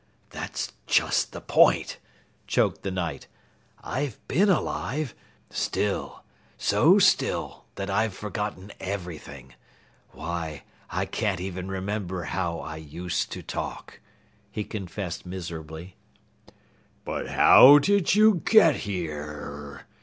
"That's just the point," choked the Knight. "I've been alive still, so still that I've forgotten everything. Why, I can't even remember how I used to talk," he confessed miserably. "But how did you get here?"